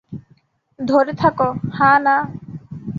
ধরে থাকো, হা-না!